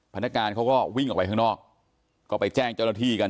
พนักงานเขาก็วิ่งออกไปข้างนอกก็ไปแจ้งเจ้าหน้าที่กัน